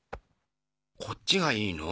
こっちがいいの？